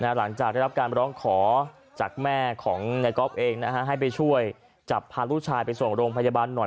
หลังจากได้รับการร้องขอจากแม่ของนายก๊อฟเองให้ไปช่วยจับพาลูกชายไปส่งโรงพยาบาลหน่อย